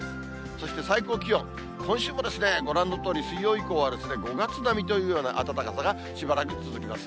そして最高気温、今週もですね、ご覧のとおり水曜以降は５月並みというような暖かさがしばらく続きます。